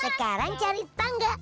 sekarang cari tangga